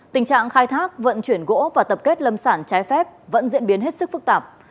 tình trạng khai thác vận chuyển gỗ và tập kết lâm sản trái phép vẫn diễn biến hết sức phức tạp